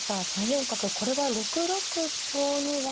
３四角これは６六香には。